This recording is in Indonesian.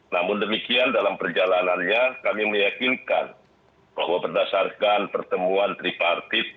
namun demikian dalam perjalanannya kami meyakinkan bahwa berdasarkan pertemuan tripartit